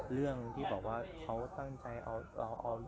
เรื่องที่บอกว่าเขาต้านใจเอาน้องไปรับผัดอะไรอย่างนี้